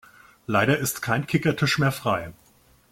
Leider ist kein Kickertisch mehr frei.